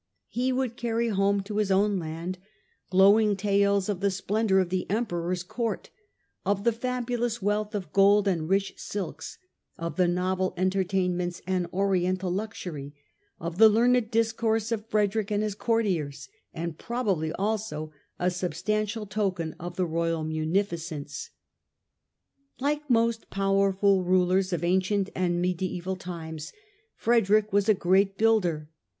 He would carry home to his own land glowing tales of the splendour of the Emperor's Court, of the fabulous wealth of gold and rich silks, of the novel entertainments and Oriental luxury, of the learned discourse of Frederick and his courtiers ; and probably also a substantial token of the royal munifi cence. Like most powerful rulers of ancient and mediaeval times, Frederick was a great builder.